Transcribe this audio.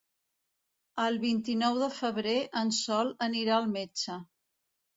El vint-i-nou de febrer en Sol anirà al metge.